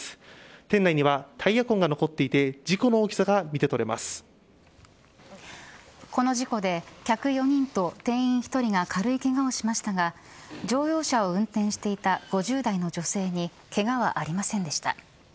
店内にはタイヤ痕が残っていて事故の大きさがこの事故で客４人と店員１人が軽いけがをしましたが乗用車を運転していた５０代の女性にけがはありませんでした。